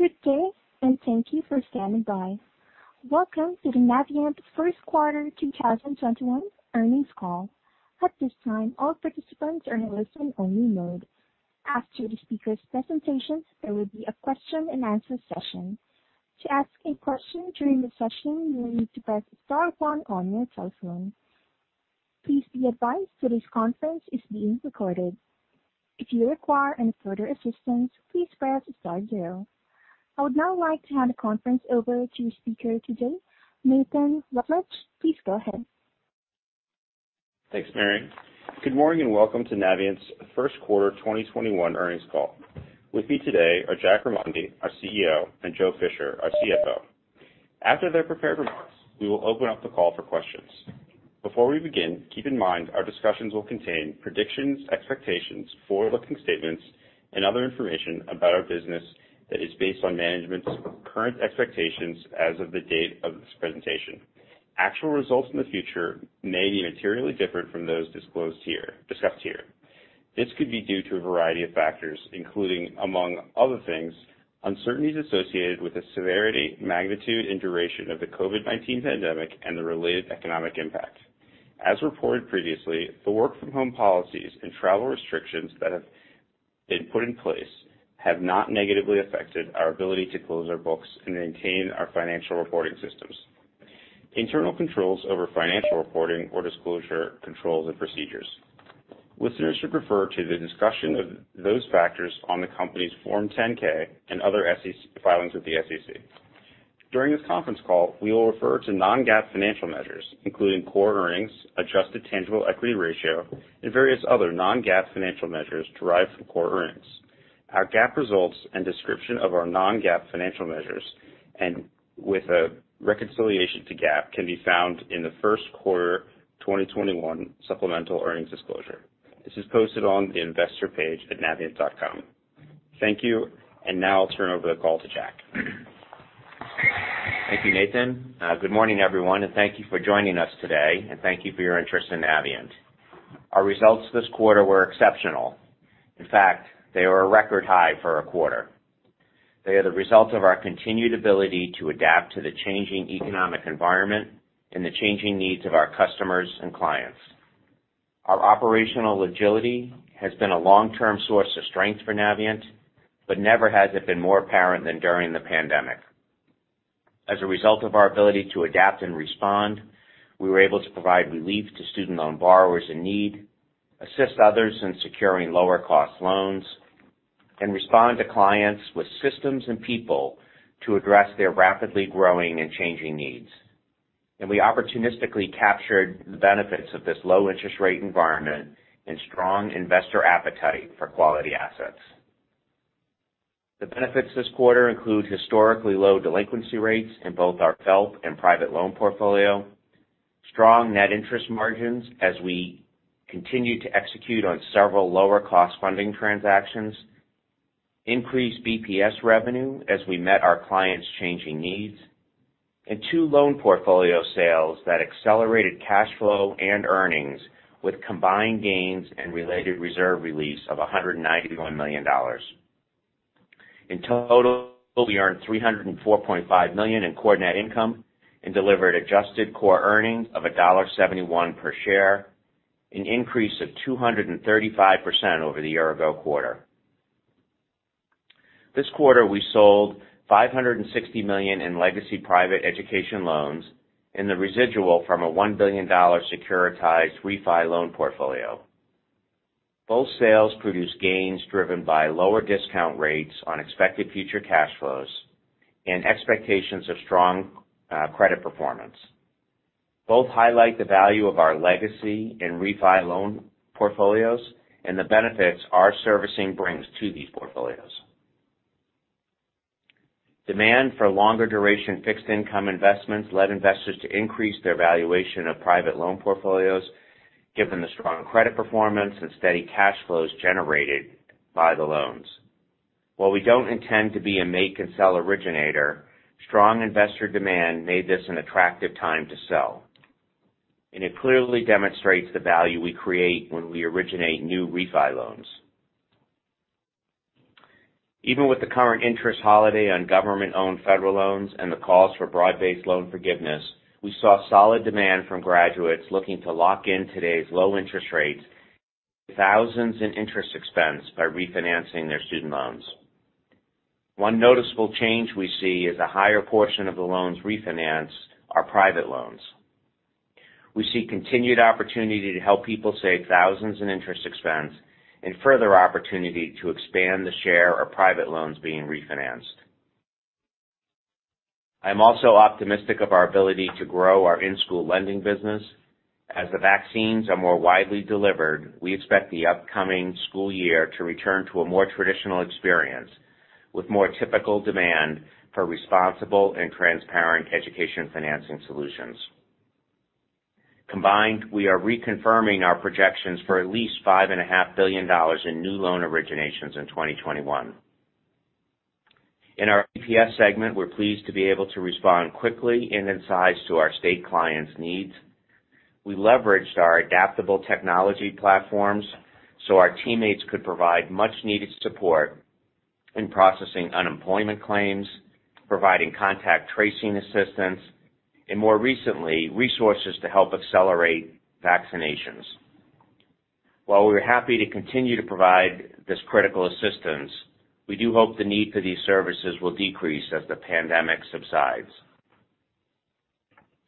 Good day, and thank you for standing by. Welcome to the Navient first quarter 2021 earnings call. At this time, all participants are in listen only mode. After the speaker's presentations, there will be a question and answer session. To ask a question during the session, you will need to press star one on your telephone. Please be advised that this conference is being recorded. If you require any further assistance, please press star zero. I would now like to hand the conference over to your speaker today, Nathan Rutledge. Please go ahead. Thanks, Mary. Good morning, and welcome to Navient's first quarter 2021 earnings call. With me today are Jack Remondi, our CEO, and Joe Fisher, our CFO. After their prepared remarks, we will open up the call for questions. Before we begin, keep in mind our discussions will contain predictions, expectations, forward-looking statements, and other information about our business that is based on management's current expectations as of the date of this presentation. Actual results in the future may be materially different from those discussed here. This could be due to a variety of factors, including, among other things, uncertainties associated with the severity, magnitude, and duration of the COVID-19 pandemic and the related economic impact. As reported previously, the work from home policies and travel restrictions that have been put in place have not negatively affected our ability to close our books and maintain our financial reporting systems, internal controls over financial reporting or disclosure controls and procedures. Listeners should refer to the discussion of those factors on the company's Form 10-K and other filings with the SEC. During this conference call, we will refer to non-GAAP financial measures, including core earnings, adjusted tangible equity ratio, and various other non-GAAP financial measures derived from core earnings. Our GAAP results and description of our non-GAAP financial measures and with a reconciliation to GAAP can be found in the first quarter 2021 supplemental earnings disclosure. This is posted on the investor page at navient.com. Thank you, and now I'll turn over the call to Jack. Thank you, Nathan. Good morning, everyone, and thank you for joining us today, and thank you for your interest in Navient. Our results this quarter were exceptional. In fact, they are a record high for a quarter. They are the result of our continued ability to adapt to the changing economic environment and the changing needs of our customers and clients. Our operational agility has been a long-term source of strength for Navient, but never has it been more apparent than during the pandemic. As a result of our ability to adapt and respond, we were able to provide relief to student loan borrowers in need, assist others in securing lower cost loans, and respond to clients with systems and people to address their rapidly growing and changing needs. We opportunistically captured the benefits of this low interest rate environment and strong investor appetite for quality assets. The benefits this quarter include historically low delinquency rates in both our FFELP and private loan portfolio, strong net interest margins as we continue to execute on several lower cost funding transactions, increased BPS revenue as we met our clients' changing needs, and two loan portfolio sales that accelerated cash flow and earnings with combined gains and related reserve release of $191 million. In total, we earned $304.5 million in core net income and delivered adjusted core earnings of $1.71 per share, an increase of 235% over the year ago quarter. This quarter, we sold $560 million in legacy private education loans and the residual from a $1 billion securitized refi loan portfolio. Both sales produced gains driven by lower discount rates on expected future cash flows and expectations of strong credit performance. Both highlight the value of our legacy and refi loan portfolios and the benefits our servicing brings to these portfolios. Demand for longer duration fixed income investments led investors to increase their valuation of private loan portfolios, given the strong credit performance and steady cash flows generated by the loans. While we don't intend to be a make and sell originator, strong investor demand made this an attractive time to sell, and it clearly demonstrates the value we create when we originate new refi loans. Even with the current interest holiday on government-owned federal loans and the calls for broad-based loan forgiveness, we saw solid demand from graduates looking to lock in today's low interest rates, thousands in interest expense by refinancing their student loans. One noticeable change we see is a higher portion of the loans refinanced are private loans. We see continued opportunity to help people save thousands in interest expense and further opportunity to expand the share of private loans being refinanced. I'm also optimistic of our ability to grow our in-school lending business. As the vaccines are more widely delivered, we expect the upcoming school year to return to a more traditional experience with more typical demand for responsible and transparent education financing solutions. Combined, we are reconfirming our projections for at least $5.5 billion in new loan originations in 2021. In our BPS segment, we're pleased to be able to respond quickly and in size to our state clients' needs. We leveraged our adaptable technology platforms so our teammates could provide much needed support in processing unemployment claims, providing contact tracing assistance, and more recently, resources to help accelerate vaccinations. While we're happy to continue to provide this critical assistance, we do hope the need for these services will decrease as the pandemic subsides.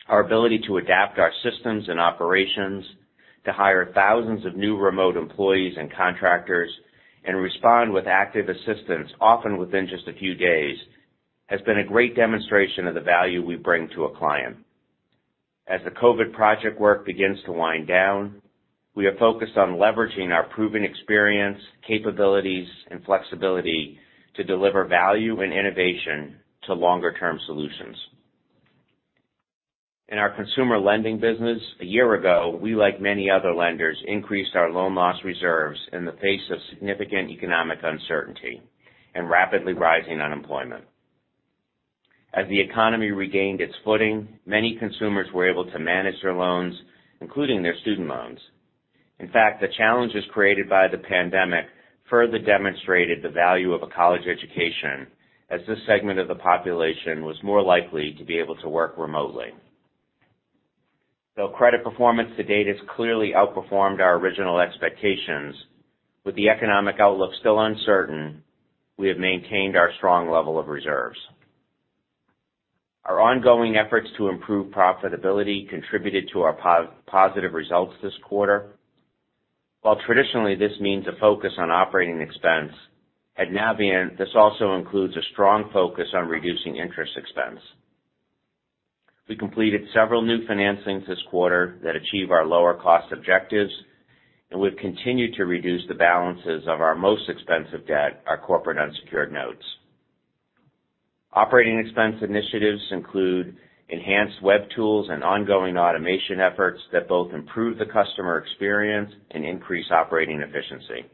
Our ability to adapt our systems and operations, to hire thousands of new remote employees and contractors, and respond with active assistance, often within just a few days, has been a great demonstration of the value we bring to a client. As the COVID project work begins to wind down, we are focused on leveraging our proven experience, capabilities, and flexibility to deliver value and innovation to longer term solutions. In our consumer lending business, a year ago, we, like many other lenders, increased our loan loss reserves in the face of significant economic uncertainty and rapidly rising unemployment. As the economy regained its footing, many consumers were able to manage their loans, including their student loans. In fact, the challenges created by the pandemic further demonstrated the value of a college education, as this segment of the population was more likely to be able to work remotely. Though credit performance to date has clearly outperformed our original expectations, with the economic outlook still uncertain, we have maintained our strong level of reserves. Our ongoing efforts to improve profitability contributed to our positive results this quarter. While traditionally this means a focus on operating expense, at Navient, this also includes a strong focus on reducing interest expense. We completed several new financings this quarter that achieve our lower cost objectives, and we've continued to reduce the balances of our most expensive debt, our corporate unsecured notes. Operating expense initiatives include enhanced web tools and ongoing automation efforts that both improve the customer experience and increase operating efficiency.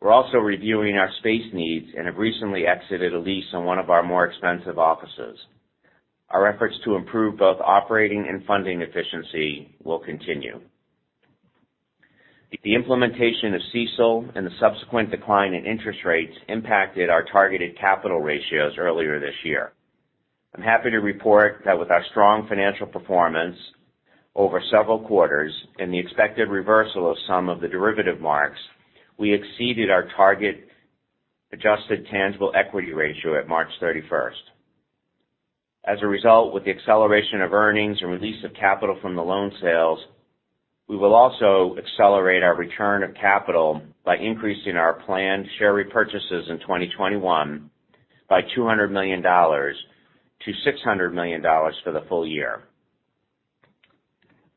We're also reviewing our space needs and have recently exited a lease on one of our more expensive offices. Our efforts to improve both operating and funding efficiency will continue. The implementation of CECL and the subsequent decline in interest rates impacted our targeted capital ratios earlier this year. I'm happy to report that with our strong financial performance over several quarters and the expected reversal of some of the derivative marks, we exceeded our target adjusted tangible equity ratio at March 31st. As a result, with the acceleration of earnings and release of capital from the loan sales, we will also accelerate our return of capital by increasing our planned share repurchases in 2021 by $200 million-$600 million for the full year.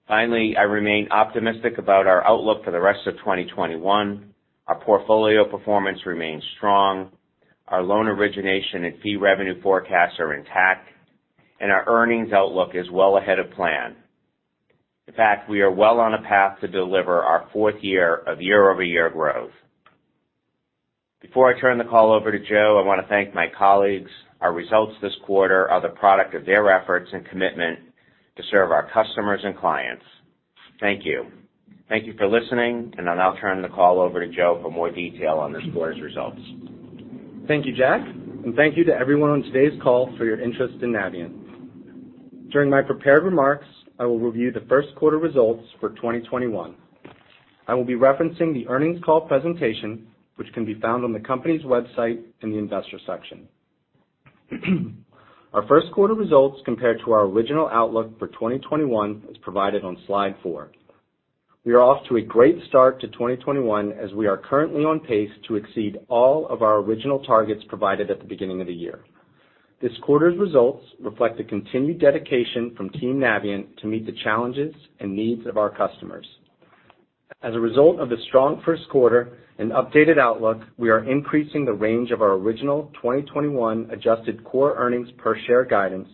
Finally, I remain optimistic about our outlook for the rest of 2021. Our portfolio performance remains strong. Our loan origination and fee revenue forecasts are intact, and our earnings outlook is well ahead of plan. In fact, we are well on a path to deliver our fourth year of year-over-year growth. Before I turn the call over to Joe, I want to thank my colleagues. Our results this quarter are the product of their efforts and commitment to serve our customers and clients. Thank you. Thank you for listening, and I'll now turn the call over to Joe for more detail on this quarter's results. Thank you, Jack, and thank you to everyone on today's call for your interest in Navient. During my prepared remarks, I will review the first quarter results for 2021. I will be referencing the earnings call presentation, which can be found on the company's website in the investor section. Our first quarter results compared to our original outlook for 2021 is provided on slide four. We are off to a great start to 2021, as we are currently on pace to exceed all of our original targets provided at the beginning of the year. This quarter's results reflect the continued dedication from Team Navient to meet the challenges and needs of our customers. As a result of the strong first quarter and updated outlook, we are increasing the range of our original 2021 adjusted core earnings per share guidance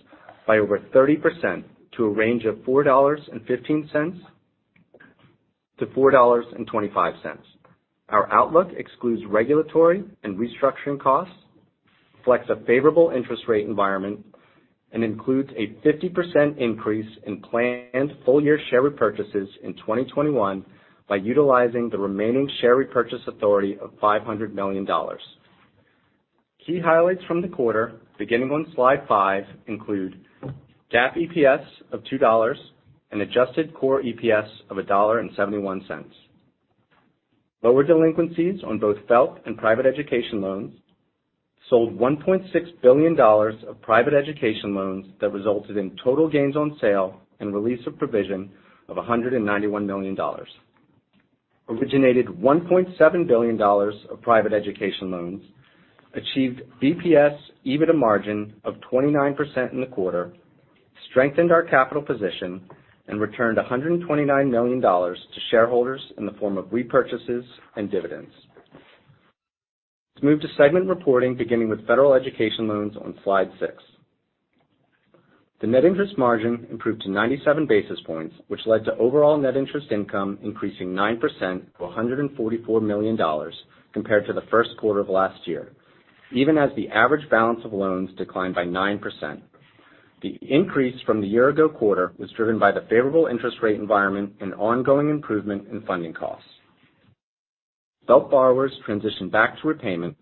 by over 30% to a range of $4.15-$4.25. Our outlook excludes regulatory and restructuring costs, reflects a favorable interest rate environment, and includes a 50% increase in planned full-year share repurchases in 2021 by utilizing the remaining share repurchase authority of $500 million. Key highlights from the quarter, beginning on slide five, include GAAP EPS of $2, an adjusted core EPS of $1.71. Lower delinquencies on both FFELP and private education loans. Sold $1.6 billion of private education loans that resulted in total gains on sale and release of provision of $191 million. Originated $1.7 billion of private education loans. Achieved BPS EBITDA margin of 29% in the quarter. Strengthened our capital position, and returned $129 million to shareholders in the form of repurchases and dividends. Let's move to segment reporting, beginning with federal education loans on slide six. The net interest margin improved to 97 basis points, which led to overall net interest income increasing 9% to $144 million compared to the first quarter of last year. Even as the average balance of loans declined by 9%. The increase from the year-ago quarter was driven by the favorable interest rate environment and ongoing improvement in funding costs. FFELP borrowers transitioned back to repayment.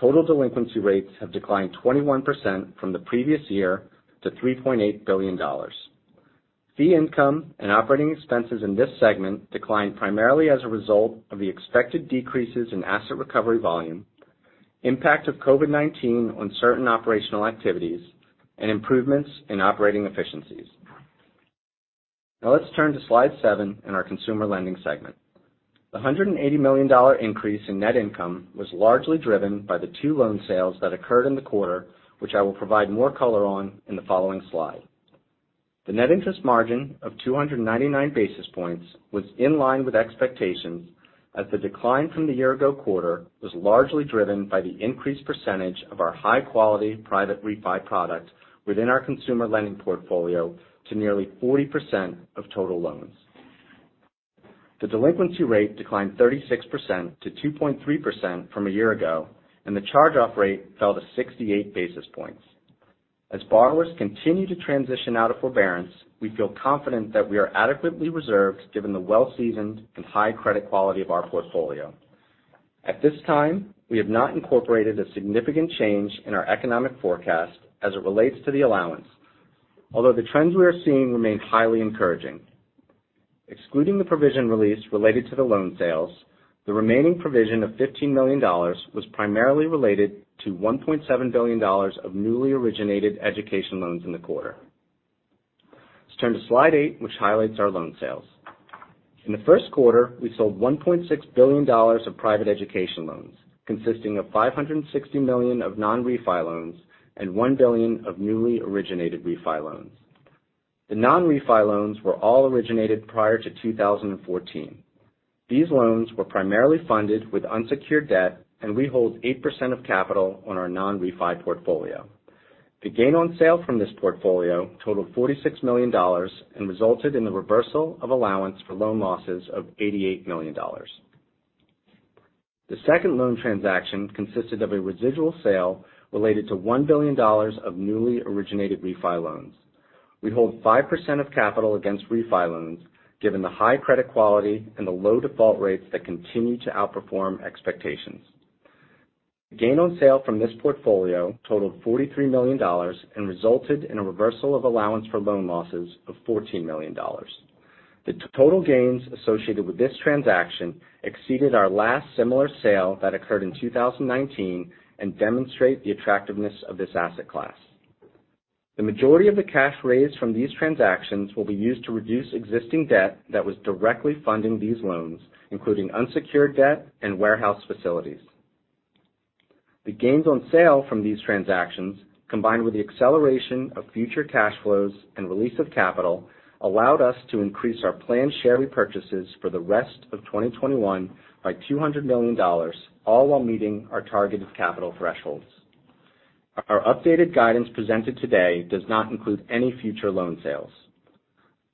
Total delinquency rates have declined 21% from the previous year to $3.8 billion. Fee income and operating expenses in this segment declined primarily as a result of the expected decreases in asset recovery volume, impact of COVID-19 on certain operational activities, and improvements in operating efficiencies. Now let's turn to slide seven in our consumer lending segment. The $180 million increase in net income was largely driven by the two loan sales that occurred in the quarter, which I will provide more color on in the following slide. The net interest margin of 299 basis points was in line with expectations, as the decline from the year-ago quarter was largely driven by the increased percentage of our high-quality private refi product within our consumer lending portfolio to nearly 40% of total loans. The delinquency rate declined 36% to 2.3% from a year ago. The charge-off rate fell to 68 basis points. As borrowers continue to transition out of forbearance, we feel confident that we are adequately reserved given the well-seasoned and high credit quality of our portfolio. At this time, we have not incorporated a significant change in our economic forecast as it relates to the allowance. Although the trends we are seeing remain highly encouraging. Excluding the provision release related to the loan sales, the remaining provision of $15 million was primarily related to $1.7 billion of newly originated education loans in the quarter. Let's turn to slide eight, which highlights our loan sales. In the first quarter, we sold $1.6 billion of private education loans, consisting of $560 million of non-refi loans and $1 billion of newly originated refi loans. The non-refi loans were all originated prior to 2014. These loans were primarily funded with unsecured debt, and we hold 8% of capital on our non-refi portfolio. The gain on sale from this portfolio totaled $46 million and resulted in the reversal of allowance for loan losses of $88 million. The second loan transaction consisted of a residual sale related to $1 billion of newly originated refi loans. We hold 5% of capital against refi loans, given the high credit quality and the low default rates that continue to outperform expectations. The gain on sale from this portfolio totaled $43 million and resulted in a reversal of allowance for loan losses of $14 million. The total gains associated with this transaction exceeded our last similar sale that occurred in 2019 and demonstrate the attractiveness of this asset class. The majority of the cash raised from these transactions will be used to reduce existing debt that was directly funding these loans, including unsecured debt and warehouse facilities. The gains on sale from these transactions, combined with the acceleration of future cash flows and release of capital, allowed us to increase our planned share repurchases for the rest of 2021 by $200 million, all while meeting our targeted capital thresholds. Our updated guidance presented today does not include any future loan sales.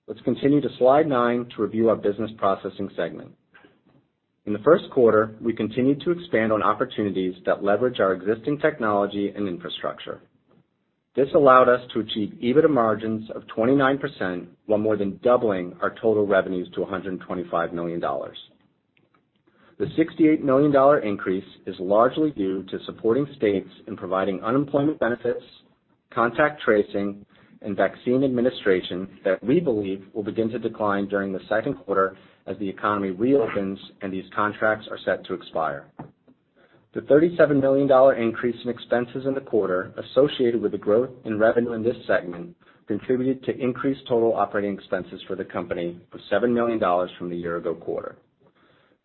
Let's continue to slide nine to review our business processing segment. In the first quarter, we continued to expand on opportunities that leverage our existing technology and infrastructure. This allowed us to achieve EBITDA margins of 29%, while more than doubling our total revenues to $125 million. The $68 million increase is largely due to supporting states in providing unemployment benefits, contact tracing, and vaccine administration that we believe will begin to decline during the second quarter as the economy reopens and these contracts are set to expire. The $37 million increase in expenses in the quarter associated with the growth in revenue in this segment contributed to increased total operating expenses for the company of $7 million from the year-ago quarter.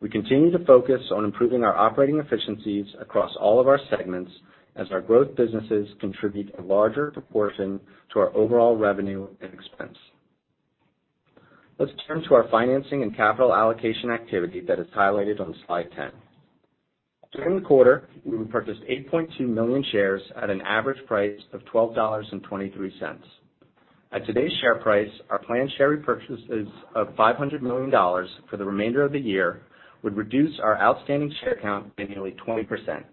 We continue to focus on improving our operating efficiencies across all of our segments as our growth businesses contribute a larger proportion to our overall revenue and expense. Let's turn to our financing and capital allocation activity that is highlighted on slide 10. During the quarter, we repurchased 8.2 million shares at an average price of $12.23. At today's share price, our planned share repurchases of $500 million for the remainder of the year would reduce our outstanding share count by nearly 20%.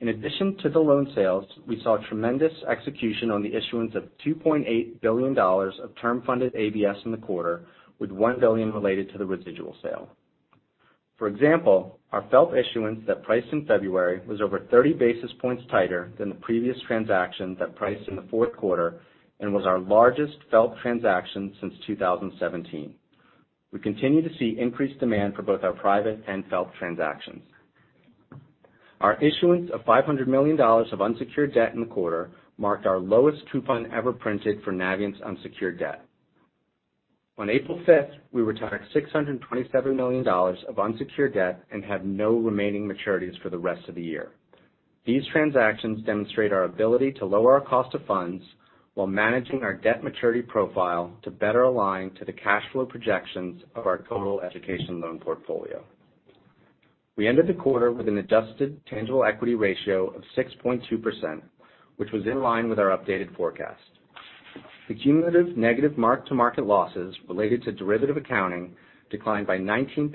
In addition to the loan sales, we saw tremendous execution on the issuance of $2.8 billion of term funded ABS in the quarter, with $1 billion related to the residual sale. For example, our FFELP issuance that priced in February was over 30 basis points tighter than the previous transaction that priced in the fourth quarter and was our largest FFELP transaction since 2017. We continue to see increased demand for both our private and FFELP transactions. Our issuance of $500 million of unsecured debt in the quarter marked our lowest coupon ever printed for Navient's unsecured debt. On April 5th, we retired $627 million of unsecured debt and have no remaining maturities for the rest of the year. These transactions demonstrate our ability to lower our cost of funds while managing our debt maturity profile to better align to the cash flow projections of our total education loan portfolio. We ended the quarter with an adjusted tangible equity ratio of 6.2%, which was in line with our updated forecast. The cumulative negative mark-to-market losses related to derivative accounting declined by 19%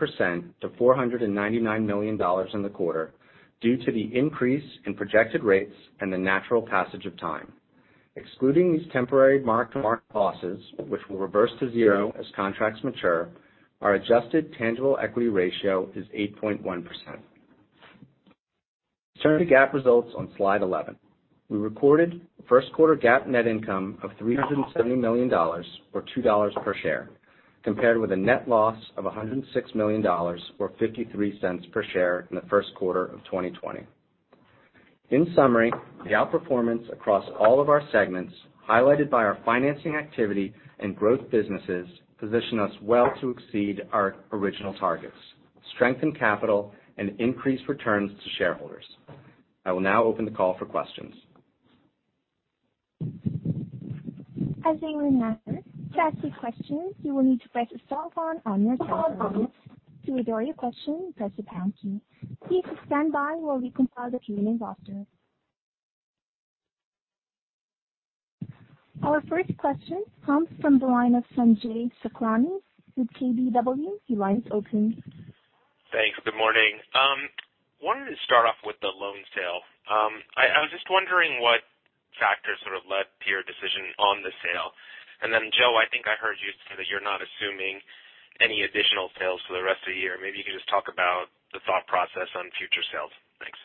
to $499 million in the quarter due to the increase in projected rates and the natural passage of time. Excluding these temporary mark-to-market losses, which will reverse to zero as contracts mature, our adjusted tangible equity ratio is 8.1%. Turning to GAAP results on slide 11. We recorded first quarter GAAP net income of $370 million, or $2 per share, compared with a net loss of $106 million or $0.53 per share in the first quarter of 2020. In summary, the outperformance across all of our segments, highlighted by our financing activity and growth businesses, position us well to exceed our original targets, strengthen capital and increase returns to shareholders. I will now open the call for questions. As a reminder, to ask a question you will need to press star one on your telephone. To withdraw your question, press the pound key. Please standby while we compile the Q&A roster. Our first question comes from the line of Sanjay Sakhrani with KBW. Your line is open. Thanks. Good morning. Wanted to start off with the loan sale. I was just wondering what factors sort of led to your decision on the sale. Joe, I think I heard you say that you're not assuming any additional sales for the rest of the year. Maybe you could just talk about the thought process on future sales. Thanks.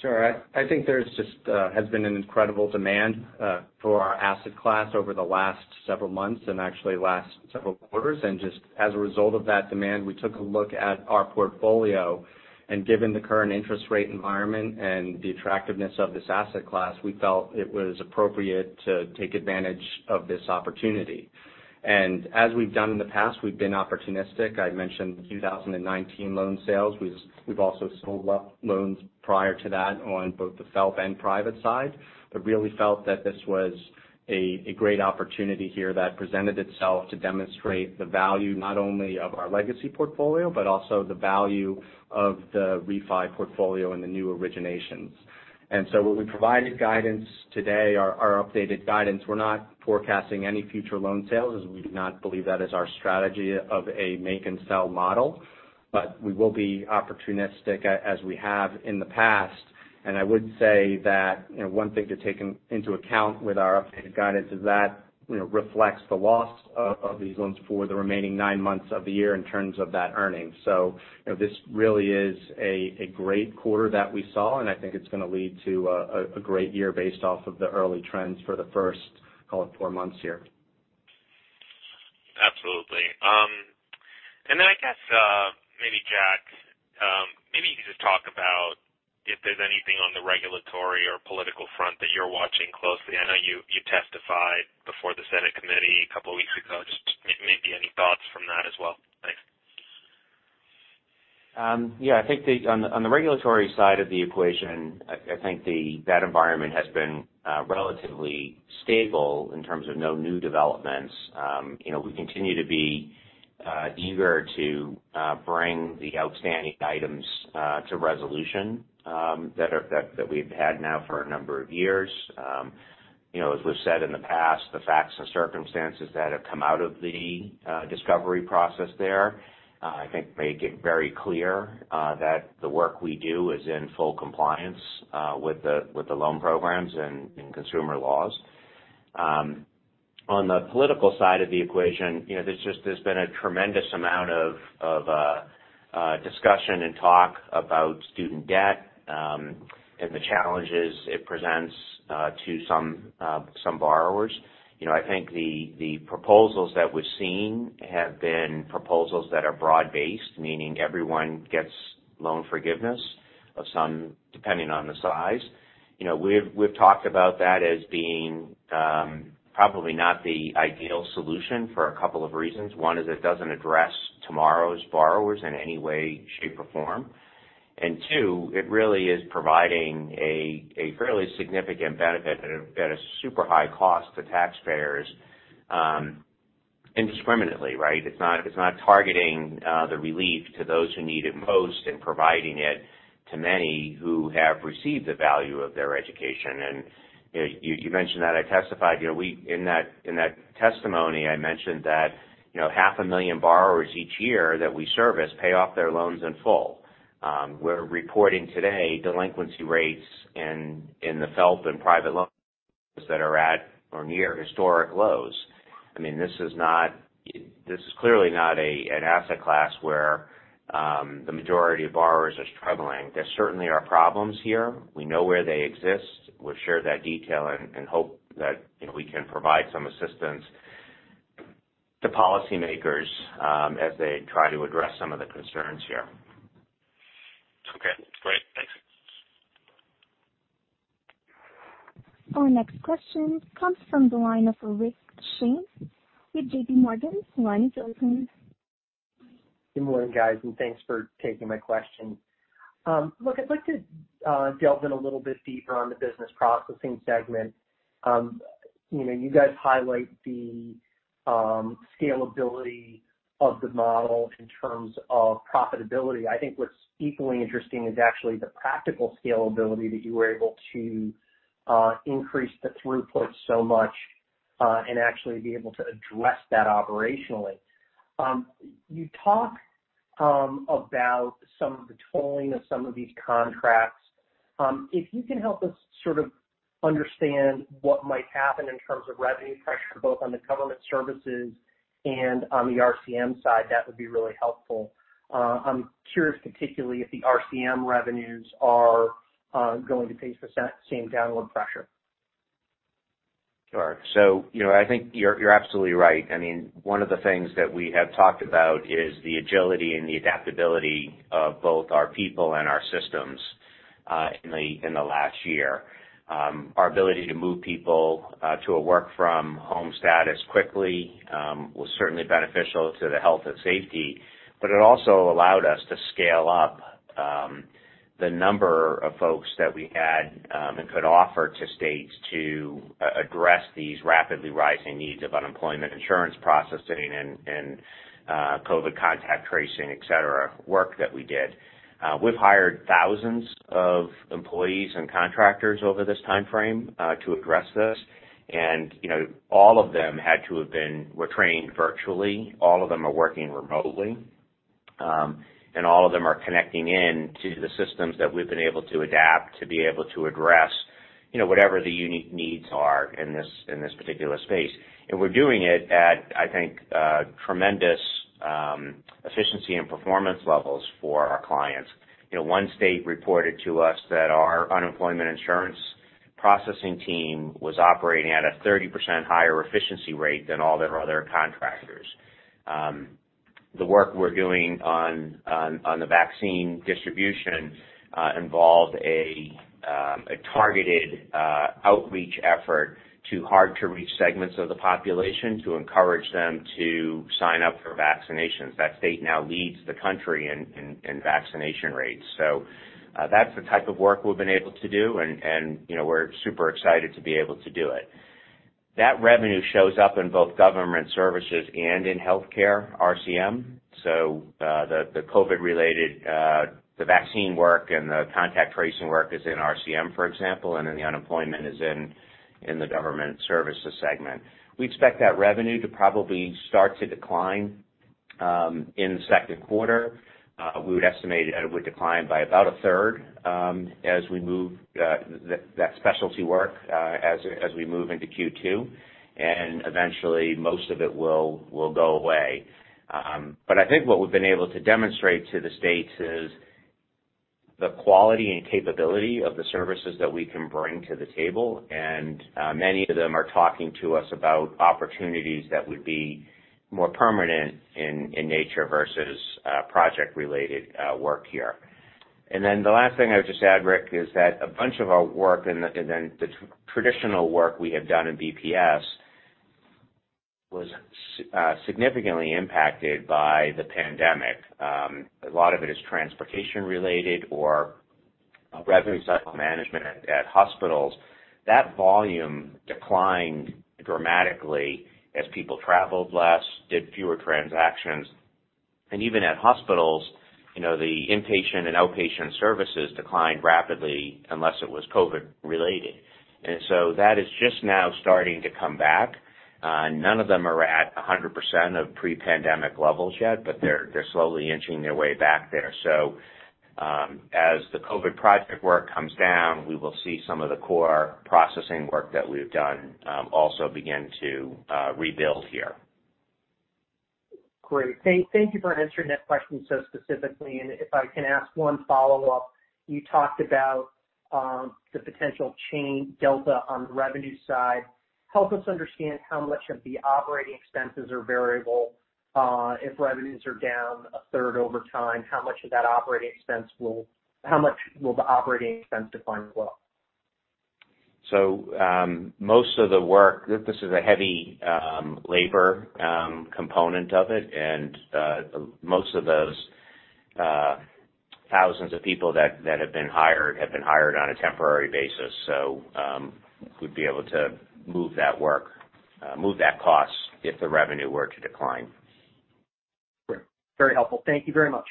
Sure. I think there's just has been an incredible demand for our asset class over the last several months and actually last several quarters. Just as a result of that demand, we took a look at our portfolio, and given the current interest rate environment and the attractiveness of this asset class, we felt it was appropriate to take advantage of this opportunity. As we've done in the past, we've been opportunistic. I mentioned 2019 loan sales. We've also sold loans prior to that on both the FFELP and private side, really felt that this was a great opportunity here that presented itself to demonstrate the value not only of our legacy portfolio, but also the value of the refi portfolio and the new originations. What we provided guidance today, our updated guidance, we're not forecasting any future loan sales as we do not believe that is our strategy of a make and sell model. We will be opportunistic as we have in the past. I would say that one thing to take into account with our updated guidance is that reflects the loss of these loans for the remaining nine months of the year in terms of that earning. This really is a great quarter that we saw, and I think it's going to lead to a great year based off of the early trends for the first call it four months here. Absolutely. I guess, maybe Jack, maybe you could just talk about if there's anything on the regulatory or political front that you're watching closely. I know you testified before the Senate committee a couple of weeks ago. Just maybe any thoughts from that as well. Thanks. I think on the regulatory side of the equation, I think that environment has been relatively stable in terms of no new developments. We continue to be eager to bring the outstanding items to resolution that we've had now for a number of years. As we've said in the past, the facts and circumstances that have come out of the discovery process there, I think make it very clear that the work we do is in full compliance with the loan programs and consumer laws. On the political side of the equation, there's been a tremendous amount of discussion and talk about student debt and the challenges it presents to some borrowers. I think the proposals that we've seen have been proposals that are broad-based, meaning everyone gets loan forgiveness of some, depending on the size. We've talked about that as being probably not the ideal solution for a couple of reasons. One is it doesn't address tomorrow's borrowers in any way, shape, or form. Two, it really is providing a fairly significant benefit at a super high cost to taxpayers indiscriminately, right? It's not targeting the relief to those who need it most and providing it to many who have received the value of their education. You mentioned that I testified. In that testimony, I mentioned that half a million borrowers each year that we service pay off their loans in full. We're reporting today delinquency rates in the FFELP and private loans that are at or near historic lows. This is clearly not an asset class where the majority of borrowers are struggling. There certainly are problems here. We know where they exist. We'll share that detail and hope that we can provide some assistance to policymakers as they try to address some of the concerns here. Okay, great. Thanks. Our next question comes from the line of Rick Shane with JPMorgan. Your line is open. Good morning, guys, and thanks for taking my question. Look, I'd like to delve in a little bit deeper on the business processing segment. You guys highlight the scalability of the model in terms of profitability. I think what's equally interesting is actually the practical scalability that you were able to increase the throughput so much and actually be able to address that operationally. You talk about some of the tolling of some of these contracts. If you can help us sort of understand what might happen in terms of revenue pressure, both on the government services and on the RCM side, that would be really helpful. I'm curious particularly if the RCM revenues are going to face the same downward pressure. Sure. I think you're absolutely right. One of the things that we have talked about is the agility and the adaptability of both our people and our systems in the last year. Our ability to move people to a work-from-home status quickly was certainly beneficial to the health and safety, but it also allowed us to scale up the number of folks that we had and could offer to states to address these rapidly rising needs of unemployment insurance processing and COVID contact tracing, et cetera, work that we did. We've hired thousands of employees and contractors over this timeframe to address this. All of them were trained virtually, all of them are working remotely, and all of them are connecting in to the systems that we've been able to adapt to be able to address whatever the unique needs are in this particular space. We're doing it at, I think, tremendous efficiency and performance levels for our clients. One state reported to us that our unemployment insurance processing team was operating at a 30% higher efficiency rate than all their other contractors. The work we're doing on the vaccine distribution involved a targeted outreach effort to hard-to-reach segments of the population to encourage them to sign up for vaccinations. That state now leads the country in vaccination rates. That's the type of work we've been able to do, and we're super excited to be able to do it. That revenue shows up in both government services and in healthcare RCM. The vaccine work and the contact tracing work is in RCM, for example, the unemployment is in the government services segment. We expect that revenue to probably start to decline in the second quarter. We would estimate it would decline by about a third as we move that specialty work as we move into Q2, eventually, most of it will go away. I think what we've been able to demonstrate to the states is the quality and capability of the services that we can bring to the table. Many of them are talking to us about opportunities that would be more permanent in nature versus project-related work here. The last thing I would just add, Rick, is that a bunch of our work and the traditional work we have done in BPS was significantly impacted by the pandemic. A lot of it is transportation related or revenue cycle management at hospitals. That volume declined dramatically as people traveled less, did fewer transactions. Even at hospitals, the inpatient and outpatient services declined rapidly unless it was COVID related. That is just now starting to come back. None of them are at 100% of pre-pandemic levels yet, but they're slowly inching their way back there. As the COVID project work comes down, we will see some of the core processing work that we've done also begin to rebuild here. Great. Thank you for answering that question so specifically. If I can ask one follow-up. You talked about the potential chain delta on the revenue side. Help us understand how much of the operating expenses are variable if revenues are down a third over time. How much will the operating expense decline as well? Most of the work, this is a heavy labor component of it, and most of those thousands of people that have been hired have been hired on a temporary basis. We'd be able to move that work, move that cost if the revenue were to decline. Great. Very helpful. Thank you very much.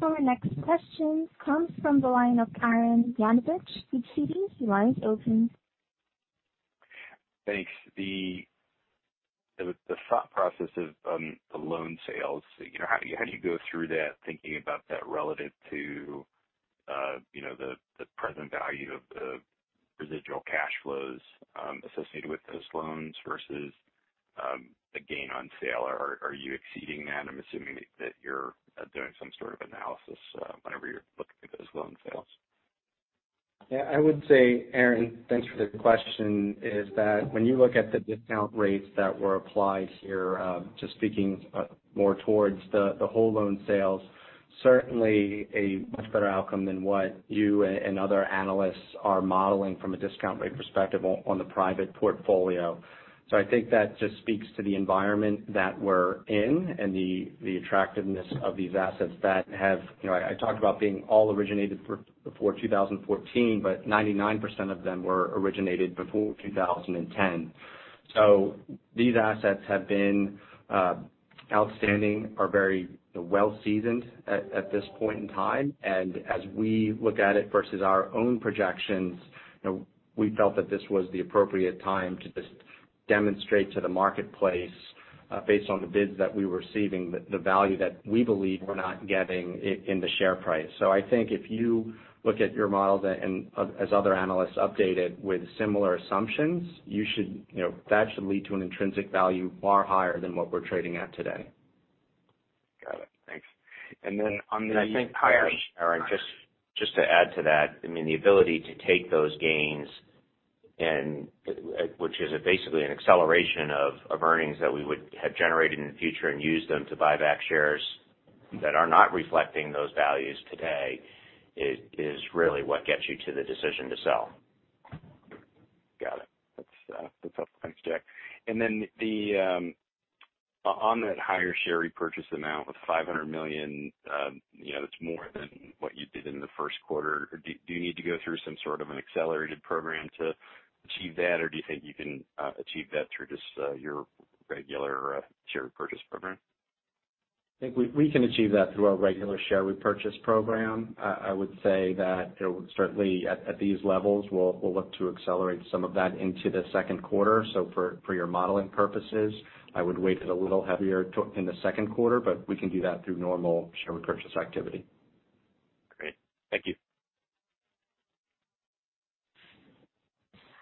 Our next question comes from the line of Arren Cyganovich, citi. Your line is open. Thanks. The thought process of the loan sales, how do you go through that, thinking about that relative to the present value of the residual cash flows associated with those loans versus the gain on sale? Are you exceeding that? I'm assuming that you're doing some sort of analysis whenever you're looking at those loan sales. Yeah, I would say, Arren, thanks for the question, is that when you look at the discount rates that were applied here, just speaking more towards the whole loan sales, certainly a much better outcome than what you and other analysts are modeling from a discount rate perspective on the private portfolio. I think that just speaks to the environment that we're in and the attractiveness of these assets. I talked about being all originated before 2014, but 99% of them were originated before 2010. These assets have been outstanding, are very well seasoned at this point in time. As we look at it versus our own projections, we felt that this was the appropriate time to just demonstrate to the marketplace, based on the bids that we were receiving, the value that we believe we're not getting in the share price. I think if you look at your models and as other analysts update it with similar assumptions, that should lead to an intrinsic value far higher than what we're trading at today. Got it. Thanks. I think, Arren, sorry, just to add to that, the ability to take those gains, which is basically an acceleration of earnings that we would have generated in the future and use them to buy back shares that are not reflecting those values today, is really what gets you to the decision to sell. Got it. That's helpful. Thanks, Jack. On that higher share repurchase amount of $500 million, that's more than what you did in the first quarter. Do you need to go through some sort of an accelerated program to achieve that, or do you think you can achieve that through just your regular share repurchase program? I think we can achieve that through our regular share repurchase program. I would say that certainly at these levels, we'll look to accelerate some of that into the second quarter. For your modeling purposes, I would weight it a little heavier in the second quarter, but we can do that through normal share repurchase activity. Great. Thank you.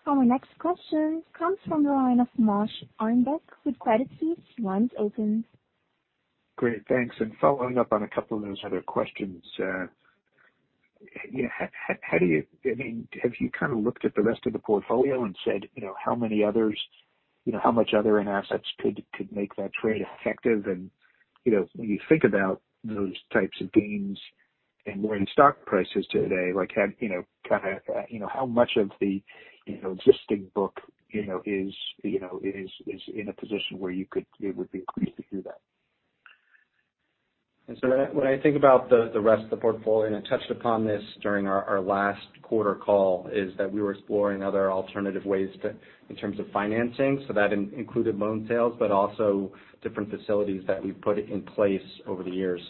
Our next question comes from the line of Moshe Orenbuch with Credit Suisse. Line is open. Great. Thanks. Following up on a couple of those other questions, have you looked at the rest of the portfolio and said, how much other assets could make that trade effective? When you think about those types of gains and where the stock price is today, how much of the existing book is in a position where it would be accretive to do that? When I think about the rest of the portfolio, and I touched upon this during our last quarter call, we were exploring other alternative ways in terms of financing. That included loan sales, but also different facilities that we've put in place over the years.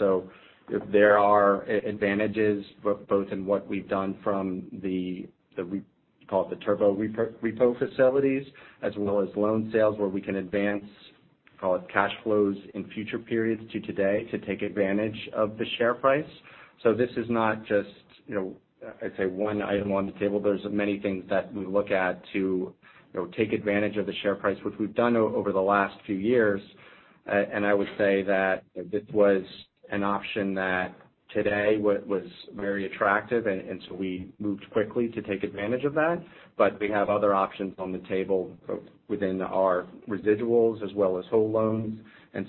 There are advantages both in what we've done from the turbo repo facilities as well as loan sales where we can advance, call it, cash flows in future periods to today to take advantage of the share price. This is not just, I'd say one item on the table. There's many things that we look at to take advantage of the share price, which we've done over the last few years. I would say that this was an option that today was very attractive, and so we moved quickly to take advantage of that. We have other options on the table within our residuals as well as whole loans.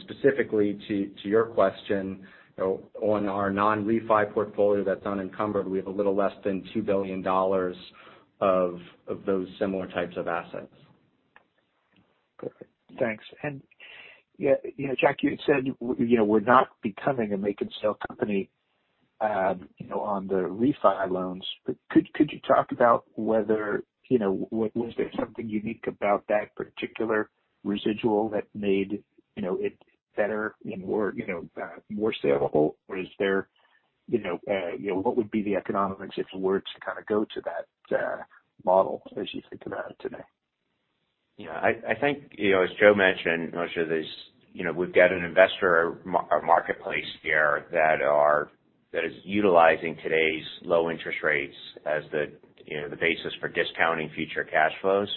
Specifically to your question, on our non-refi portfolio that's unencumbered, we have a little less than $2 billion of those similar types of assets. Perfect. Thanks. Jack, you had said we're not becoming a make and sell company on the refi loans, but could you talk about whether was there something unique about that particular residual that made it better and more saleable? What would be the economics if it were to go to that model as you think about it today? I think as Joe mentioned, Moshe, we've got an investor marketplace here that is utilizing today's low interest rates as the basis for discounting future cash flows,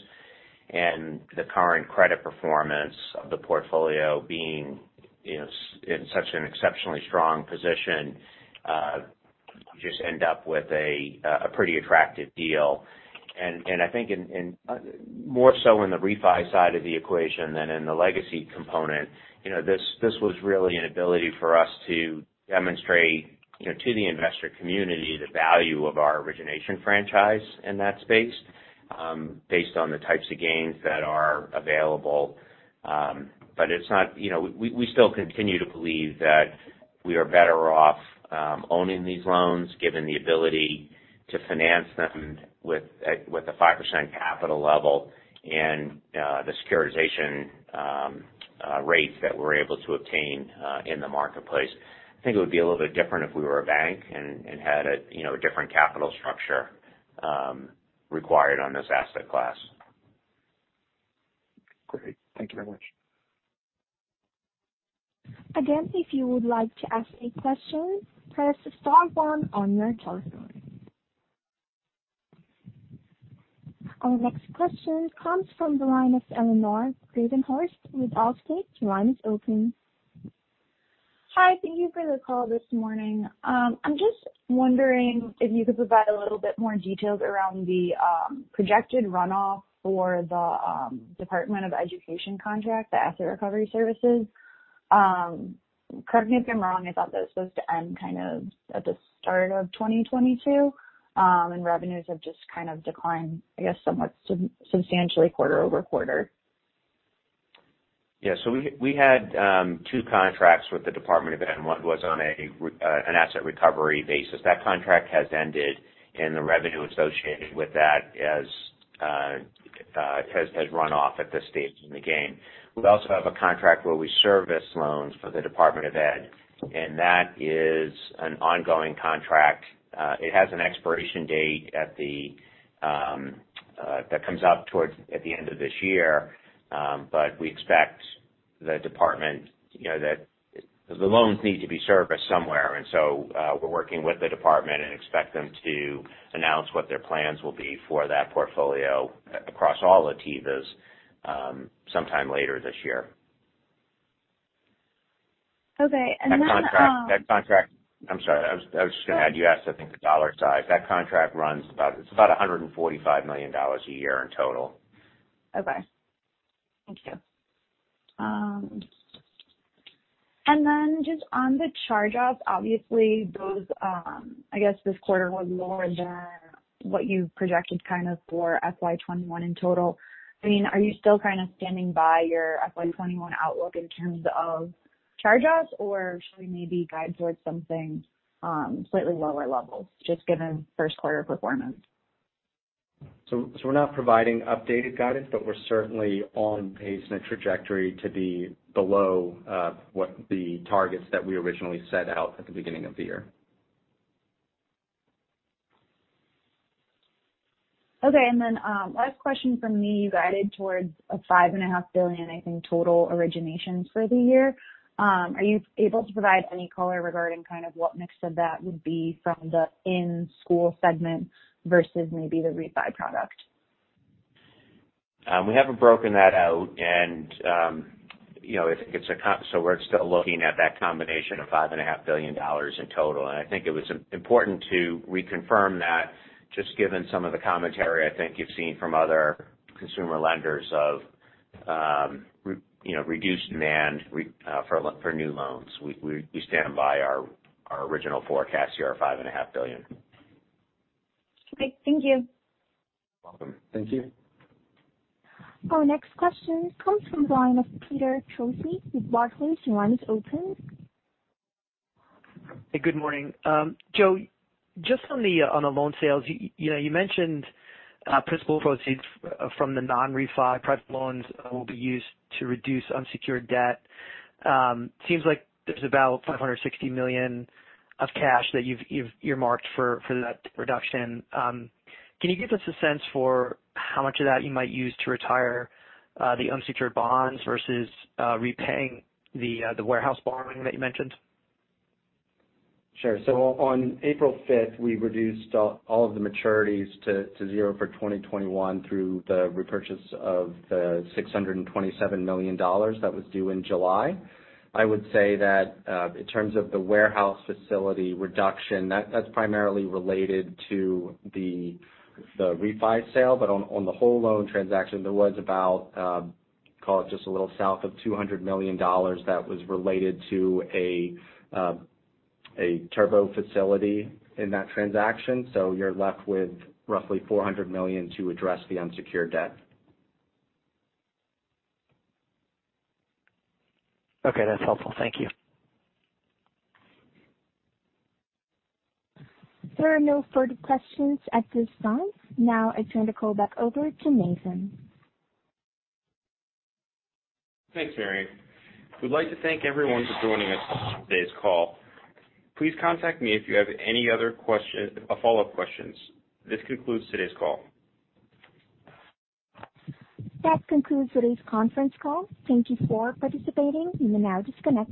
and the current credit performance of the portfolio being in such an exceptionally strong position, you just end up with a pretty attractive deal. I think more so in the refi side of the equation than in the legacy component, this was really an ability for us to demonstrate to the investor community the value of our origination franchise in that space based on the types of gains that are available. We still continue to believe that we are better off owning these loans, given the ability to finance them with a 5% capital level and the securitization rates that we're able to obtain in the marketplace. I think it would be a little bit different if we were a bank and had a different capital structure required on this asset class. Great. Thank you very much. Again, if you would like to ask a question, press star one on your telephone. Our next question comes from the line of Eleanor Gravenhorst with Allstate. Your line is open. Hi, thank you for the call this morning. I'm just wondering if you could provide a little bit more details around the projected runoff for the Department of Education contract, the asset recovery services. Correct me if I'm wrong, I thought that was supposed to end at the start of 2022, and revenues have just declined, I guess, somewhat substantially quarter-over-quarter. Yes. We had two contracts with the Department of Ed, one was on an asset recovery basis. That contract has ended, the revenue associated with that has run off at this stage in the game. We also have a contract where we service loans for the Department of Ed, that is an ongoing contract. It has an expiration date that comes up towards at the end of this year. We expect the department, because the loans need to be serviced somewhere, we're working with the department and expect them to announce what their plans will be for that portfolio across all servicers sometime later this year. Okay. I'm sorry. I was just going to add, you asked, I think, the dollar size. That contract, it's about $145 million a year in total. Okay. Thank you. Then just on the charge-offs, obviously, those, I guess this quarter was lower than what you projected kind of for FY 2021 in total. Are you still kind of standing by your FY 2021 outlook in terms of charge-offs, or should we maybe guide towards something slightly lower levels, just given first quarter performance? We're not providing updated guidance, but we're certainly on pace and a trajectory to be below what the targets that we originally set out at the beginning of the year. Okay. Last question from me. You guided towards a $5.5 billion, I think, total originations for the year. Are you able to provide any color regarding what mix of that would be from the in-school segment versus maybe the refi product? We haven't broken that out and so we're still looking at that combination of $5.5 billion in total. I think it was important to reconfirm that, just given some of the commentary I think you've seen from other consumer lenders of reduced demand for new loans. We stand by our original forecast here, our $5.5 billion. Okay. Thank you. You're welcome. Thank you. Our next question comes from the line of Peter Troisi with Barclays. Your line is open. Hey, good morning. Joe, just on the loan sales, you mentioned principal proceeds from the non-refi private loans will be used to reduce unsecured debt. Seems like there's about $560 million of cash that you've earmarked for that reduction. Can you give us a sense for how much of that you might use to retire the unsecured bonds versus repaying the warehouse borrowing that you mentioned? Sure. On April 5th, we reduced all of the maturities to zero for 2021 through the repurchase of the $627 million that was due in July. I would say that in terms of the warehouse facility reduction, that's primarily related to the refi sale. On the whole loan transaction, there was about, call it just a little south of $200 million that was related to a turbo facility in that transaction. You're left with roughly $400 million to address the unsecured debt. Okay. That's helpful. Thank you. There are no further questions at this time. I turn the call back over to Nathan. Thanks, Mary. We'd like to thank everyone for joining us on today's call. Please contact me if you have any other follow-up questions. This concludes today's call. That concludes today's conference call. Thank you for participating. You may now disconnect.